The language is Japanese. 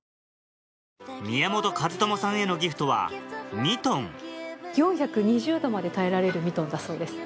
宮本和知さんへのギフトはミトン４２０℃まで耐えられるミトンだそうです。